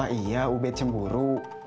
apa iya ubed cemburu